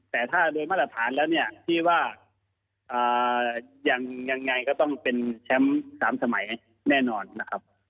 แต่ถ้าโดยมาตรฐานแล้วเนี่ยที่ว่ายังไงก็ต้องเป็นแชมป์๓สมัยแน่นอนนะครับ